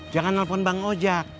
jangan nelfon bang ojak